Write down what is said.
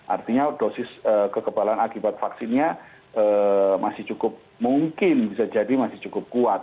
artinya dosis kekebalan akibat vaksinnya masih cukup mungkin bisa jadi masih cukup kuat